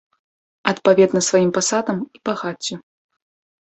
Адпаведна сваім пасадам і багаццю.